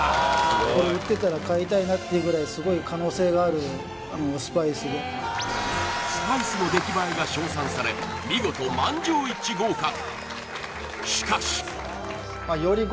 これ売ってたら買いたいなっていうぐらいすごいスパイスの出来栄えが称賛され見事満場一致合格